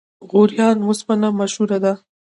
غوریان وسپنه مشهوره ده؟